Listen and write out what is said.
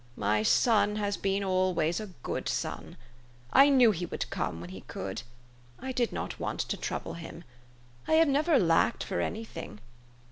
M} 7 son has been always a good son. I knew he would come when he could. I did not want to trouble him. I have never lacked for any thing.